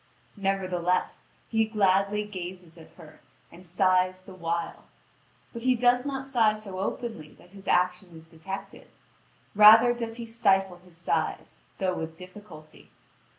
Nevertheless, he gladly gazes at her, and sighs the while; but he does not sigh so openly that his action is detected; rather does he stifle his sighs, though with difficulty.